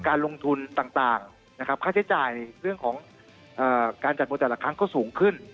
การลงทุนต่างนะครับค่าใช้จ่ายในเรื่องของการจัดมวยแต่ละครั้งก็สูงขึ้น